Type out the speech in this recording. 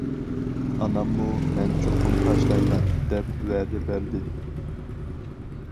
ئاناممۇ‹‹ مەن چوقۇم تاشلايمەن›› دەپ ۋەدە بەردى.